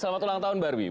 selamat ulang tahun barbie